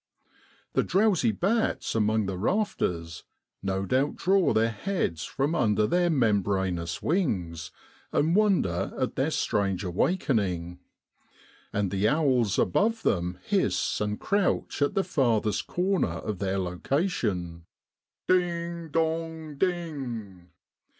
The drowsy bats among the rafters no doubt draw their heads from under their membranous wings, and wonder at their strange awakening; and the owls above them hiss, and crouch at the farthest corner of their location. Ding dong ding